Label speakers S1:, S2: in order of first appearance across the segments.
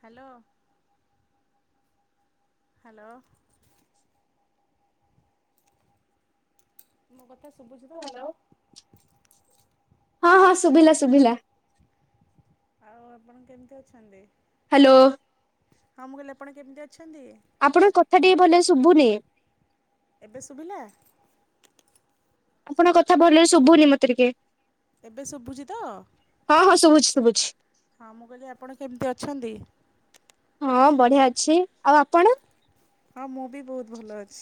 S1: Hello. Hello. ମୋ କଥା ଶୁଭୁଚି ତ ହ୍ୟାଲୋ।
S2: ହଁ ହଁ ଶୁଭିଲା ଶୁଭିଲା।
S1: ଆଉ ଆପଣ କେମିତି ଅଛନ୍ତି?
S2: ହ୍ୟାଲୋ।
S1: ହଁ ମୁଁ କହିଲି ଆପଣ କେମିତି ଅଛନ୍ତି?
S2: ଆପଣଙ୍କ କଥା ଟିକେ ଭଲରେ ଶୁଭୁନି।
S1: ଏବେ ଶୁଭିଲା?
S2: ଆପଣଙ୍କ କଥା ଭଲରେ ଶୁଭୁନି ମତେ ଟିକେ।
S1: ଏବେ ଶୁଭୁଚି ତ ହଁ ମୁଁ କହିଲି ଆପଣ କେମିତି ଅଛନ୍ତି?
S2: ହଁ ବଢିଆ ଅଛି। ଆଉ ଆପଣ?
S1: ହଁ ମୁଁ ବି ବହୁତ ଭଲ ଅଛି।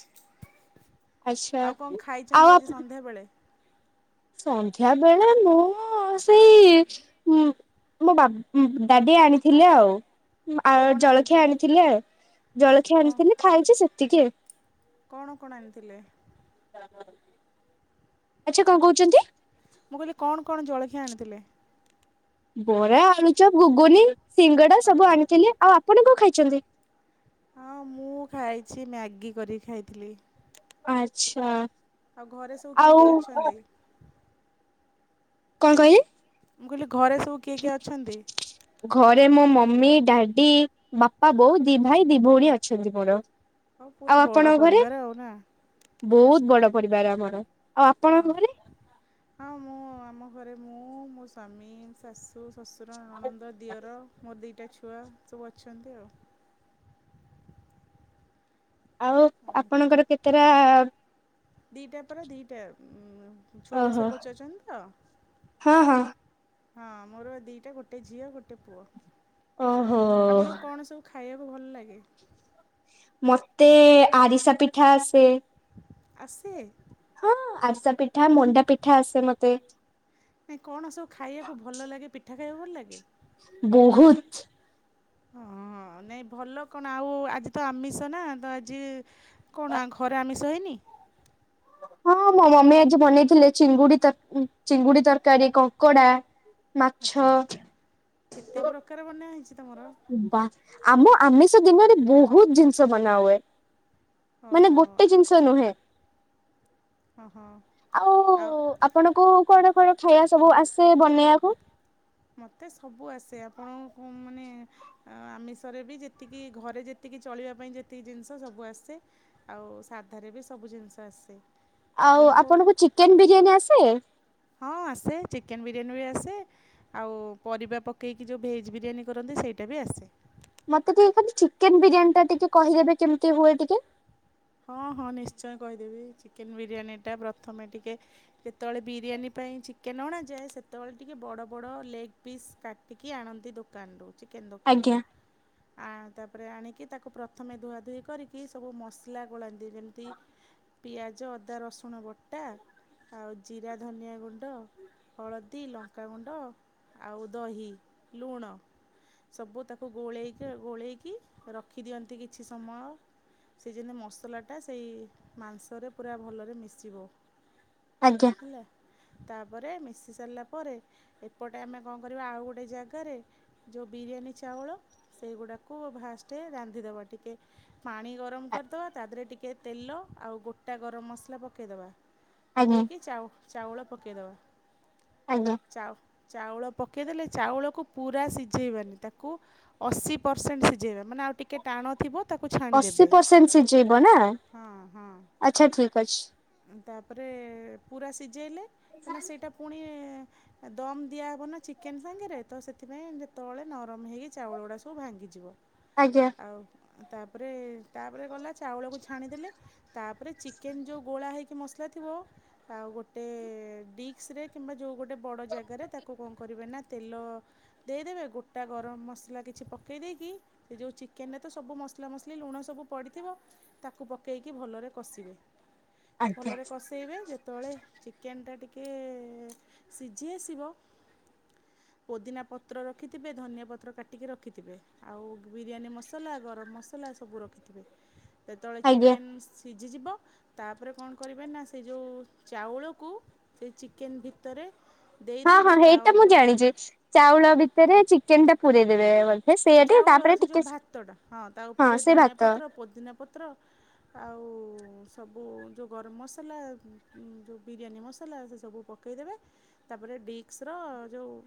S2: ଆଚ୍ଛା
S1: ଆଉ କଣ
S2: ଆଉ
S1: ଖାଇଚନ୍ତି
S2: ଆପ
S1: ଆଜି ସନ୍ଧ୍ୟାବେଳେ?
S2: ସନ୍ଧ୍ୟା ବେଳେ ମୁଁ ସେଇ ମୋ ବା ଡାଡି ଆଣିଥିଲେ ଆଉ। ଆ ଜଳଖିଆ ଆଣିଥିଲେ, ଜଳଖିଆ
S1: କଣ
S2: ଆଣିଥିଲେ ଖାଇଚି ସେତିକି।
S1: କଣ କଣ ଆଣିଥିଲେ?
S2: [unintelligible] ଆଚ୍ଛା କଣ କହୁଛନ୍ତି।
S1: ମୁଁ କହିଲି କଣ କଣ ଜଳଖିଆ ଆଣିଥିଲେ।
S2: ବରା ଆଳୁଚପ ଘୁଗୁନି ସିଙ୍ଗଡ଼ା ସବୁ
S1: ଓହୋ
S2: ଆଣିଥିଲେ ଆଉ ଆପଣ କଣ ଖାଇଛନ୍ତି।
S1: ହଁ ମୁଁ ଖାଇଛି ମ୍ୟାଗି କରିକି ଖାଇଥିଲି।
S2: ଆଚ୍ଛା।
S1: ଆଉ ଘରେ ସବୁ କିଏ
S2: ଆଉ
S1: କିଏ ଅଛନ୍ତି।
S2: କଣ କହିଲେ।
S1: ମୁଁ କହିଲି ଘରେ ସବୁ କିଏ କିଏ ଅଛନ୍ତି।
S2: ଘରେ ମୋ ମମି ଡାଡି ବାପା ବୋଉ ଦି ଭାଇ ଦି ଭଉଣୀ ଅଛନ୍ତି ମୋର।
S1: ହଉ ପୁରା
S2: ଆଉ
S1: ବଡ଼
S2: ଆପଣ ଘରେ
S1: ପରିବାର ଆଉ ନା।
S2: ବହୁତ୍ ବଡ଼ ପରିବାର ଆମର। ଆଉ
S1: ହଁ
S2: ଆପଣଙ୍କ ଘରେ
S1: ହଁ ମୁଁ ଆମ ଘରେ ମୁଁ ମୋ ସ୍ୱାମୀ ଶାଶୁ ଶଶୁର ନଣନ୍ଦ ଦିଅର ମୋର ଦିଇଟା ଛୁଆ ସବୁ ଅଛନ୍ତି ଆଉ।
S2: ଆଉ ଆପଣଙ୍କର କେତେରା।
S1: ଦିଟା ପରା ଦିଟା ଛୁଆ
S2: ଓହୋ
S1: ବିଷୟରେ ପଚାରୁଚନ୍ତି ତ?
S2: ହଁ ହଁ
S1: ହଁ ମୋର ଦିଇଟା ଗୋଟେ ଝିଅ ଗୋଟେ ପୁଅ
S2: ଓହୋ
S1: ଆପଣ କଣ ସବୁ ଖା ଖାଇବା କୁ ଭଲ ଲାଗେ।
S2: ମତେ ଆରିସା ପିଠା ଆସେ।
S1: ଆସେ?
S2: ହଁ ଆରିସା ପିଠା ମଣ୍ଡା ପିଠା ଆସେ ମତେ।
S1: ନାଇଁ କଣ ସବୁ ଖାଇବାକୁ ଭଲ ଲାଗେ ପିଠା ଖାଇବାକୁ ଭଲ ଲାଗେ?
S2: ବହୁତ୍ ‌।
S1: ହଁ ଅଁ ନାଇଁ ଭଲ କଣ ଆଉ ଆଜି ତ ଆମିଷ ନା ତ ଆଜି। କଣ ଘରେ ଆମିଷ ହେଇନି?
S2: ହଁ ମୋ ମମି ଆଜି ବନେଇଥିଲେ ଚିଙ୍ଗୁଡି ତ ଚିଙ୍ଗୁଡି ତରକାରୀ କଙ୍କଡା। ମାଛ
S1: ଆଚ୍ଛା ଆଚ୍ଛା ଏତେ ପ୍ରକାର ବନା ହେଇଛି ତୁମର।
S2: ବା ଆମ ଆମିଷ ଦିନରେ ବହୁତ୍ ଜିନିଷ ବନା ହୁଏ। ମାନେ
S1: ଓହୋ
S2: ଗୋଟେ ଜିନିଷ ନୁହେଁ
S1: ହଁ ହଁ
S2: ଆଉ ଆପଣଙ୍କୁ କଣ କଣ ଖାଇବା ସବୁ ଆସେ ବନେଇବାକୁ?
S1: ମତେ ସବୁ ଆସେ ଆପଣଙ୍କୁ ମାନେ। ଆ ଆମିଷରେ ବି ଯେତିକି ଘରେ ଯେତିକି ଚଳିବା ପାଇଁ ଯେତିକି ଜିନିଷ ସବୁ ଆସେ। ଆଉ ସାଧାରେ ବି ସବୁ ଜିନିଷ ଆସେ।
S2: ଆଉ ଆପଣଙ୍କୁ ଚିକେନ୍ ବିରିୟାନୀ ଆସେ?
S1: ହଁ ଆସେ ଚିକେନ୍ ବିରିୟାନୀ ବି ଆସେ। ଆଉ ପରିବା ପକେଇକି ଯୋଉ ଭେଜ୍ ବିରିୟାନୀ କରନ୍ତି ସେଇଟା ବି ଆସେ।
S2: ମତେ ଟିକେ ଖାଲି ଚିକେନ୍ ବିରିୟାନୀ ଟା ଟିକେ କହିଦେବେ କେମିତି ହୁଏ ଟିକେ?
S1: ହଁ ହଁ ନିଶ୍ଚୟ କହିଦେବି ଚିକେନ୍ ବିରିୟାନୀଟା ପ୍ରଥମେ ଟିକେ। ଯେତେବେଳେ ବିରିୟାନୀ ପାଇଁ ଚିକେନ୍ ଅଣାଯାଏ ସେତେବେଳେ ଟିକେ ବଡ଼ ବଡ଼ ଲେଗ୍ ପିସ୍ କାଟିକି ଆଣନ୍ତି ଦୋ କାନ୍ ରୁ ଚିକେନ୍
S2: ଆଜ୍ଞା
S1: ଦୋକାନରୁ। ଆଁ ତାପରେ ଆଣିକି ତାକୁ ପ୍ରଥମେ ଧୁଆ ଧୋଇ କରିକି ସବୁ ମସ୍ଲା ଗୋଳାନ୍ତି ଯେମତି। ପିଆଜ ଅଦା ରସୁଣ ବଟା ଆଉ ଜିରା ଧନିଆ ଗୁଣ୍ଡ। ହଳଦୀ ଲଙ୍କାଗୁଣ୍ଡ ଆଉ ଦହି ଲୁଣ। ସବୁ ତାକୁ ଗୋଳେଇକି ଗୋଳେଇକି ରଖିଦିଅନ୍ତି କିଛି ସମୟ। ସେ ଯେନ୍ ମସଲାଟା ସେଇ ମାଂସରେ ପୁରା ଭଲରେ ମିଶିବ।
S2: ଆଜ୍ଞା।
S1: ଲା ତାପରେ ମିଶି ସାରିଲା ପରେ, ଏପଟେ ଆମେ କଣ କରିବା ଆଉ ଗୋଟେ ଜାଗାରେ ଯୋଉ ବିରିୟାନୀ ଚାଉଳ ସେଇଗୁଡ଼ାକୁ ଭାଷ୍ଟେ ରାନ୍ଧିଦବ ଟିକେ। ପାଣି ଗରମ କର୍ ଦବା। ତା ଧୀରେ ଟିକିଏ ତେଲ ଆଉ ଗୋଟା ଗରମ ମସଲା ପକେଇଦବା।
S2: ଆଜ୍ଞା
S1: ପକେଇକି ଚାଉ ଚାଉଳ ପକେଇ ଦବା।
S2: ଆଜ୍ଞା।
S1: ଚାଅ-ଚାଉଳ ପକେଇଦେଲେ ଚାଉଳକୁ ପୁରା ସିଜେଇବାନି ତାକୁ ଅଶୀ ପରସେଣ୍ଟ୍ ସିଝେଇବା, ମାନେ ଆଉ ଟିକେ ଟାଣ ଥିବ ତାକୁ
S2: ଅଶି
S1: ଛାଣିଦେବେ
S2: ପରସେଣ୍ଟ୍ ସିଝେଇବ ନା?
S1: ହଁ, ହଁ।
S2: ଆଚ୍ଛା, ଠିକ୍ ଅଛି।
S1: ତା ପରେ ପୁରା ସିଜେଇଲେ, ପୁଣି ସେଇଟା ପୁଣି ଦମ୍ ଦିଆହେବ ନା ଚିକେନ୍ ସାଙ୍ଗରେ ତ, ସେଥିପାଇଁ ତଳେ ନରମ ହେଇକି ଚାଉଳ ଗୁଡ଼ା ସବୁ ଭାଙ୍ଗିଯିବ।
S2: ଆଜ୍ଞା।
S1: ଆଉ ତାପରେ, ତାପରେ ଗଲା ଚାଉଳକୁ ଛାଣିଦେଲେ। ତାପରେ ଚିକେନ୍ ଯୋଉ ବୋଳା ହେଇକି ମସଲା ଥିବ ଆଉ ଗୋଟେ ଡିିକ୍ସ୍ ରେ କିମ୍ବା ଯୋଉ ଗୋଟେ ବଡ଼ ଜାଗାରେ, ତାକୁ କଣ କରିବେ ନା ତେଲ- ଦେଇଦେବେ। ଗୋଟା ଗରମ ମସଲା କିଛି ପକେଇ ଦେଇକି ସେ ଯେଉଁ ଚିକେନ୍ ରେ ତ ସବୁ ମସଲା ମସଲି ଲୁଣ ସବୁ ପଡ଼ିଥିବ, ତାକୁ ପକେଇକି ଭଲରେ କଷିବେ।
S2: ଆଜ୍ଞା
S1: ଭଲରେ କଷେଇବେ। ଯେତେବେଳେ ଚିକେନଟା ଟିକେ ସିଝି ଆସିବ
S2: [inaudible]
S1: ପୋଦିନା ପତ୍ର ରଖିଥିବେ, ଧନିଆ ପତ୍ର କାଟିକି ରଖିଥିବେ, ଆଉ ବିରିୟାନୀ ମସଲା, ଗରମ ମସଲା ସବୁ ରଖିଥିବେ। ଯେତେବେଳେ
S2: ଆଜ୍ଞା
S1: ଚିକେନ୍ ସିଝିଯିବ ତାପରେ କଣ କରିବେ ନା, ସେ ଯୋଉ ଚାଉଳକୁ ସେ ଚିକେନ୍ ଭିତରେ ଦେଇ
S2: ହଁ ହଁ
S1: ଦେଇକି ତା
S2: ହେଇଟା ମୁଁ
S1: ଉପରେ
S2: ଜାଣିଚି। ଚାଉଳ ଭିତରେ ଚିକେନ୍ ଟା ପୂରେଇ ଦେବେ। ସେଇଆଟି
S1: ଚାଉଳ
S2: ତାପରେ
S1: ସେ
S2: ଟିକେ
S1: ଯୋଉ ଭାତଟା। ହଁ ତା ଉପରେ
S2: ସେ
S1: ଧନିଆ
S2: ଭାତ
S1: ପତ୍ର, ପୋଦିନା ପତ୍ର, ଆଉ ସବୁ ଯୋଉ ଗରମ ମସଲା, ଯୋଉ ବିରିୟାନୀ ମସଲା, ସେ ସବୁ ପକ ପକେଇଦେବେ ତାପରେ ଡିସ୍ସର ଯୋଉ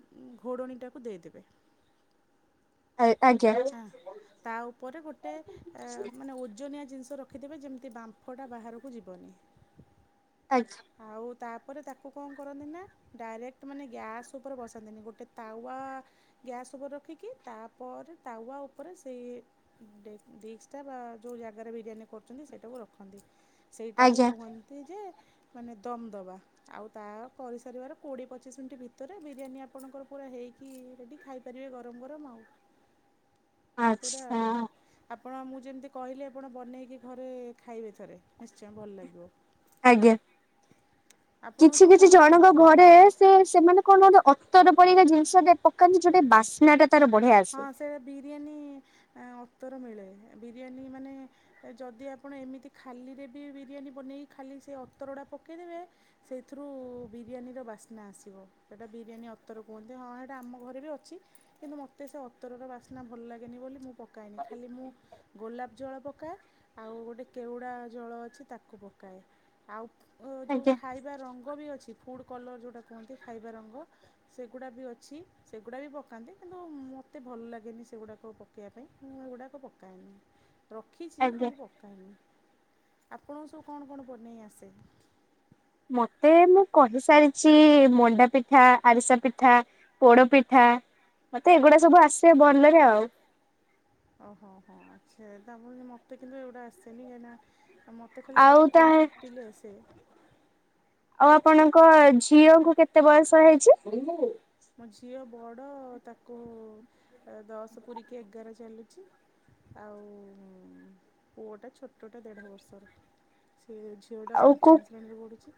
S1: ଘୋଡ଼ଣୀଟାକୁ ଦେଇଦେବେ।
S2: ଆ-ଆଜ୍ଞା।
S1: ହଁ ତା ଉପରେ ଗୋଟେ ମାନେ ଓଜନିଆ ଜିନିଷ ର ରଖିଦେବେ, ଯେମିତି ବାମ୍ଫଟା ବାହାରକୁ ଯିବନି।
S2: ଆଚ୍ଛ୍।
S1: ଆଉ ତାପରେ ତାକୁ କଣ କରନ୍ତି ନା ଡାଇରେକ୍ଟ ମାନେ ଗ୍ୟାସ୍ ଉପରେ ବସାନ୍ତିନି। ଗୋଟେ ତାୱା ଗ୍ୟାସ୍ ଉପରେ ରଖିକି, ତାପରେ ତାୱା ଉପରେ ସେଇ ଡି-ଡ଼ିସ୍ ଟା ବା ଯୋଉ ଜାଗାରେ ବିରିୟାନୀ କରୁଛନ୍ତି ସେଇଟାକୁ ରଖନ୍ତି। ସେଇଟାକୁ
S2: ଆଜ୍ଞା
S1: କୁହନ୍ତି ଯେ ମାନେ ଦମ୍ ଦବା। ଆଉ ତା କରି ସାରିବାର କୋଡ଼ିଏ, ପଚିଶି ମିନିଟ୍ ଭିତରେ ବିରିୟାନୀ ଆପଣଙ୍କର ପୁରା ହେଇକି ରେଡ଼ି। ଖାଇପାରିବେ ଗରମ ଗରମ ଆଉ।
S2: [inaudible]
S1: ପୁରା
S2: ଆଚ୍ଛା
S1: ଆଉ। ଆପଣ ମୁଁ ଯେମିତି କହିଲି ଆପଣ ବନେଇକି ଘରେ ଖାଇବେ ଥରେ ନିଶ୍ଚୟ ଭଲ ଲାଗିବ।
S2: ଆଜ୍ଞା।
S1: ଆପଣଙ୍କୁ
S2: କିଛି
S1: ସବୁ
S2: କିଛି
S1: କଣ କଣ
S2: ଜଣକ ଘରେ ସେ ସେମାନେ କଣ ଗୋଟେ ଅତର ପରିକା ଜିନିଷଟେ ପକାନ୍ତି, ଯୋଉଟେ ବାସ୍ନା ଟା ତାର ବଢ଼ଆ ଆସେ।
S1: ସେ ବିରିୟାନୀ ଅତର ମିଳେ ବିରିୟାନୀ ମାନେ ଯଦି ଆପଣ ଏମିତି ଖାଲିରେ ବି ବିରିୟାନୀ ବନେଇି ଖାଲି ସେ ଅତରଗଡା ପକେଇଦେବେ ସେଇଥିରୁ ବିରିୟାନୀର ବାସ୍ନା ଆସିବ। ସେଇଟା ବିରିୟାନୀ ଅତର କୁହନ୍ତି ହଁ ଏଇଟା ଆମ ଘରେ ବି ଅଛି କିନ୍ତୁ ମତେ ମତେ ସେ ଅତରର ବାସ୍ନା ଭଲ ଲାଗେନି ବୋଲି ମୁଁ ପକାଏନି ଖାଲି ମୁଁ ଗୋଲାପ ଜଳ ପକାଏ ଆଉ ଗୋଟେ କେଉଡ଼ା ଜଳ ଅଛି ତାକୁ ପକାଏ ଆଉ ଯୋଉ
S2: ଆଜ୍ଞା
S1: ଖାଇ ବା ରଙ୍ଗ ବି ଅଛି ଫୁଡ୍ କଲର ଯୋଉଟା କୁହନ୍ତି ଖାଇବା ରଙ୍ଗ ସେଗୁଡା ବି ଅଛି ସେଗୁଡା ବି ପକାନ୍ତି କିନ୍ତୁ ମତେ ଭଲ ଲାଗେନି ସେଗୁଡ଼ାକ ପକେଇବା ପାଇଁ ମୁଁ ଏଗୁଡ଼ାକ ପକାଏନି ରଖିଛି
S2: ଆଜ୍ଞା।
S1: କିନ୍ତୁ ପ ଆପଣଙ୍କ ସବୁ କଣ କଣ ବନେଇ ଆସେ?
S2: ମତେ ମୁଁ କହିସାରିଚି ମଣ୍ଡା ପିଠା ଆରିସା ପିଠା ପୋଡପିଠା ମତେ ଏଗୁଡା ସବୁ ଆସେ ଭଲରେ ଆଉ।
S1: ଓହୋହୋ ଆଚ୍ଛା ତା ବୋଲି ମତେ କିନ୍ତୁ ଏଗୁଡା ଆସେନି କାଇଁ ନା ମୋତେ ଖାଲି
S2: ଆଉ ତା
S1: ଚକୁଳି ଇଟିଲି ଆସେ।
S2: ଆଉ ଆପଣଙ୍କ ଝିଅକୁ କେତେ ବୟସ ହେଇଚି?
S1: ମୋ ଝିଅ ବଡ଼ ତାକୁ ଦଶ ପୁରିକି ଏଗାର ଚାଲିଚି ଆଉ ପୁଅଟା ଛୋଟଟା ଦେଢ଼ ବର୍ଷର। ଏ ଝିଅଟା
S2: ଆଉ କୋଉ
S1: ପଞ୍ଚମ ଶ୍ରେଣୀରେ ପଢ଼ୁଚି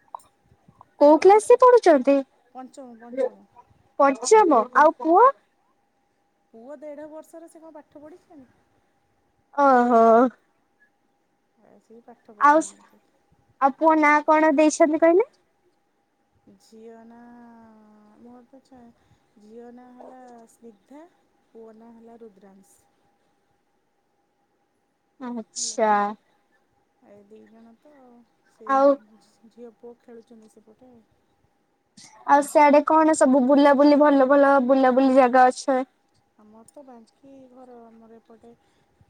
S2: କୋଉ କ୍ଲାସ ରେ ପଢୁଚନ୍ତି?
S1: ପଞ୍ଚମ ପଞ୍ଚମ।
S2: ପଞ୍ଚମ ଆଉ ପୁଅ?
S1: ପୁଅ ଦେଢ଼ ବର୍ଷର ସେ କଣ ପାଠ ପଢ଼ିିଚନି
S2: ଓହୋ।
S1: ଆ ସେ ପା
S2: ଆଉ ସେ ଆଉ ପୁଅ ନାଁ କଣ ଦେଇଛନ୍ତି କହିଲେ?
S1: ଝିଅ ନା ମୋର ତ ଚା ଝିଅ ନା ହେଲା ସ୍ନିଗ୍ଧା। ପୁଅନା ହେଲା ରୁଦ୍ରାଶଂ। ହେଲା
S2: ଆଚ୍ଛା।
S1: ଏ ଦି ଜଣ ତ ସେ
S2: ଆଉ
S1: ଝିଅ ପୁଅ ଖେଳୁଛନ୍ତି ସେପଟେ ଆଉ।
S2: ଆଉ ସ୍ୟାଡେ କଣ ସବୁ ବୁଲାବୁଲି ଭଲ ଭଲ ବୁଲାବୁଲି ଜାଗା ଅଛେ?
S1: ଆମର ତ ବାଙ୍କି ଘର ଆମର ଏପଟେ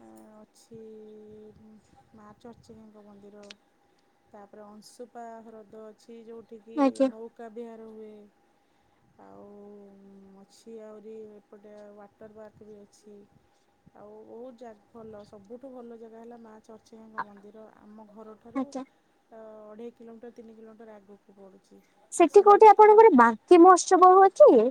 S1: ଅଛି ମା ଚର୍ଚ୍ଚିକାଙ୍କ ମନ୍ଦିର ତାପରେ ଅଂଶୁପା ହ୍ରଦ ଅଛି ଯୋଉଠି କିି
S2: ଆଜ୍ଞା
S1: ନୌ ପକା ବିହାର ହୁଏ ଆଉ ଅଛି ଆହୁରି ଏପଟ ଗୋଟେ ୱାଟର୍ ପାର୍କ ବି ଅଛି। ଆଉ ଅହୁତା ଜାଗ୍ ଭଲ ସବୁଠୁ ଭଲ ଜାଗା ହେଲା ମା ଚର୍ଚ୍ଚିକାଙ୍କ ମନ୍ଦିର ଆମ ଘରଠାରୁ
S2: ଆଜ୍ଞା
S1: ତ ଅଢ଼େଇ କିଲୋମିଟର ତିନି କିଲୋମିଟର ଆଗକୁ ପଡ଼ୁଛି।
S2: ସେଠି
S1: ଆସନ୍ତୁ
S2: କୋଉଠି
S1: କେତେବେଳେ
S2: ଆପଣଙ୍କର ବାଙ୍କି ମହୋତ୍ସବ ଆଉ ଅଚି?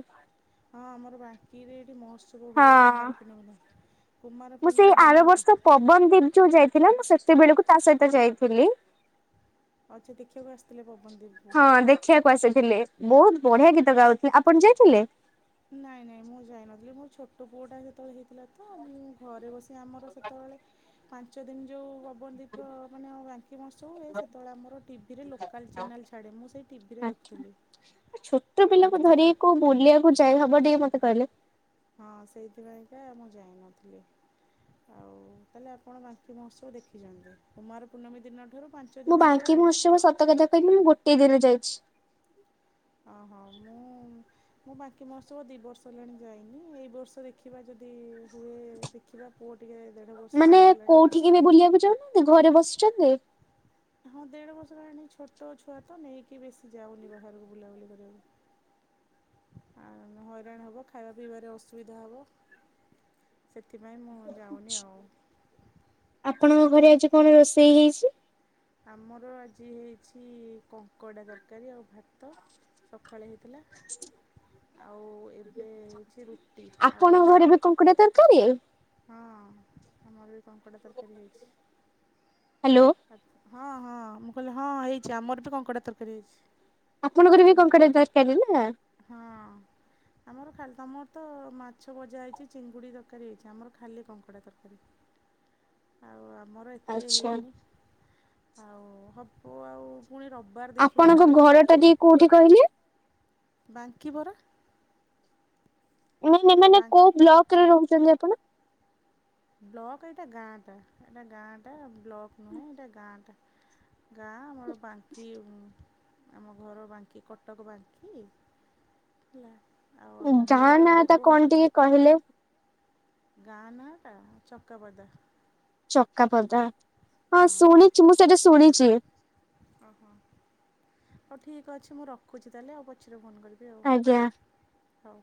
S1: ହଁ ଆମର ବାଙ୍କିରେ ଏଠି ମହୋତ୍ସ ବ ହୁଏ
S2: ହଁ
S1: କୁମାର ପୂର୍ଣିମୀ ଦି କୁମାର ପୂର୍ଣ୍ଣିମୀ ଦିନ ହ
S2: ଭୁବନ୍ ଦୀପ୍ ଯୋଉ ଯାଇଥିଲା ମୁଁ ସେତେବେଳକୁ ତା ସହିତ ଯାଇଥିଲି
S1: ଆଚ୍ଛା ଦେଖିଆକୁ ଆସିଥିଲେ ପବନଦୀପ୍ କୁ?
S2: ଦେଖିଆକୁ ଆସିଥିଲେ ବହୁତ ବଢିଆ ଗୀତ ଗାଉଥି ଆପଣ ଯାଇଥିଲେ?
S1: ନାଇଁ ନାଇଁ ମୁଁ ଯାଇନଥିଲି ମୋ ଛୋଟ ପୁଅଟା ସେତବେଳେ ହେଇଥିଲା ତ ମୁଁ ଘରେ ବସି ଆମର ସେତବେଳେ ପାଞ୍ଚ ଦିନ ଯୋଉ ହ ବନ୍ଦୀପର ମାନେ ଆମ ବାଙ୍କି ମହୋତ୍ସବ ହୁଏ ସେତୋଳେ ଆମର ଟି ଭି ରେ ଲୋକାଲ୍ ଚ୍ୟାନେଲ୍ ଛାଡ଼େ ମୁଁ ସେଇ ଟି ଭି ରେ ଦେଖୁଥିଲି।
S2: ଏ ଛୋଟ
S1: ଆଉ
S2: ପିଲାକୁ
S1: ସେ
S2: ଧରିକି କୋଉ ବୁଲିଆକୁ ଯାଇ ହବ ଟିକେ ମତେ କହିଲେ।
S1: ହଁ ସେଇଥିପାଇଁକା ମୁଁ ଯାଇନଥିଲି। ଆଉ ତାହେଲେ ଆପଣ ବାଙ୍କି ମହୋତ୍ସବ ଦେଖିଛନ୍ତି କୁମାର ପୂର୍ଣ୍ଣମୀ ଦିନଠାରୁ ପାଁ
S2: ମୁଁ ବାଙ୍କି ମହୋତ୍ସବ ସତ କଥା କହିବି ମୁଁ ଗୋଟିଏ ଦିନ ଯାଇଛି।
S1: ଅ ହଁ ମୁଁ ମୁଁ ବାଙ୍କି ମୋତ୍ସବ ଦି ବର୍ଷ ହେଲାଣି ଯାଇନି ଏଇ ବର୍ଷ ଦେଖ୍ ଖିବା ଯଦି ହୁଏ ଦେଖିବା ପୁଅ ଟିକେ ଦେଢ଼ ବର୍ଷର ହେଇଗଲାଣି।
S2: ଏବେ ବୁଲିବାକୁ ଯାଉନାହାନ୍ତି ଘରେ ବସିଛନ୍ତି?
S1: ହଁ ଦେଢ଼ ବର୍ଷ ହେଲାଣି ଛୋଟ ଛୁଆ ତ ନେଇକି ବେଶି ଯାଉନି ବାହାରୁକୁ ବୁଲାବୁଲି କରିବାକୁ।
S2: [inaudible]
S1: ଆମେ ହଇରାଣ ହବ ଖାଇବା ପିଇବାରେ ଅସୁବିଧା ହବ। ସେଥିପାଇଁ ମୁଁ ଯାଉନି ଆଉ।
S2: ଆପଣଙ୍କ ଘରେ ଆଜି କଣ ରୋଷେଇ ହେଇଚି?
S1: ଆମର ଆଜି ହେଇଛି କଙ୍କଡ଼ା ତରକାରୀ ଆଉ ଭାତ। ସଖାଳେ ହେଇଥିଲା ଆଉ ଏବେ ହେଇଛି ରୁଟି ଆଉ
S2: କଙ୍କଡ଼ା ତରକାରୀ?
S1: ହଁ ଆମର ବି କଙ୍କଡ଼ା ତରକାରୀ ହେଇଛି।
S2: ହାଲୋ।
S1: ଆ ହଁ ହଁ ମୁଁ କହିଲି ହଁ ହେଇଛି ଆମର ବି କଙ୍କଡ଼ା ତରକାରୀ ହେଇଛି।
S2: ଆପଣଙ୍କର ବି
S1: ସବୁ
S2: କଙ୍କଡ଼ା ତରକାରୀ, ନା?
S1: ହଁ। ଆମର ଖାଲି ତମର ତ ମାଛ ଭଜା ହେଇଚି ଚିଙ୍ଗୁଡ଼ି ତରକାରୀ ହେଇଚି ଆମର ଖାଲି କଙ୍କଡ଼ା ତରକାରୀ। ଆଉ ଆମର ଏତେ
S2: ଆଚ୍ଛା
S1: ହେଇନି ଆଉ ହବ ଆଉ ପୁଣି ର
S2: ଆପଣଙ୍କ ଘରଟା ଟିକେ କୋଉଠି କହିଲେ।
S1: ବାଙ୍କି ପରା‌।
S2: ନାଇଁ ନାଇଁ ମାନେ
S1: ବାଙ୍କ
S2: କୋଉ ବ୍ଲକ୍ ରେ ରହୁଚନ୍ତି ଆପଣ?
S1: ବ୍ଲକ ଏଇଟା ଗାଁଟା ଏଟା ଗାଁଟା ବ୍ଲକ୍ ନୁହେଁ ଏଟା ଗାଁଟା। ଗାଁ ଆମର ବାଙ୍କି ଆମ ଘର ବାଙ୍କି କଟକ ବାଙ୍କି। ହେଲା ଆଉ ଆମ
S2: ଗାଁ
S1: ଘର
S2: ନାଁ ଟା
S1: ଆଗୁକୁ
S2: କଣ ଟିକେ କହିଲେ।
S1: ଗାଁ ନାଁଟା ଚକାପଦା।
S2: ଚକାପଦା ହଁ ଶୁଣିଚି ମୁଁ ସେଟା ଶୁଣିଚି।
S1: ଅହ ହଉ ଠିକ୍ ଅଛି ମୁଁ ରଖୁଚି ତାଲେ ଆଉ ପଛରେ ଫୋନ୍ କରି ବି ଆଉ
S2: ଆଜ୍ଞା।
S1: ହଉ।